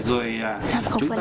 rồi chúng ta giảm lượng nước này